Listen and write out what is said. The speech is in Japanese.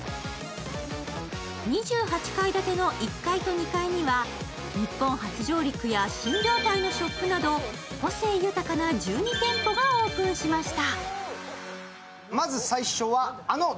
２８階建ての１階と２階には日本初上陸や新業態のショップなど個性豊かな１２店舗がオープンしました。